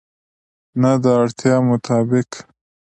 نه، د اړتیا مطابق